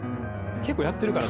結構やってるから。